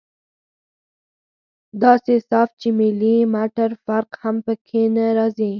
داسې صاف چې ملي مټر فرق هم پکښې نه رځي.